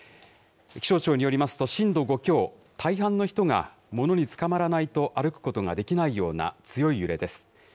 気象庁によりますと震度５強、大半の人がものにつかまらないと歩くことができないような、強い揺れです。